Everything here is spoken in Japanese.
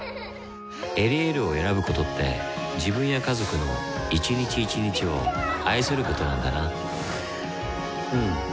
「エリエール」を選ぶことって自分や家族の一日一日を愛することなんだなうん。